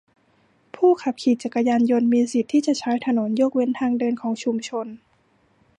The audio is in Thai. ผู้ขับขี่จักรยานยนต์มีสิทธิ์ที่จะใช้ถนนยกเว้นทางเดินของชุมชน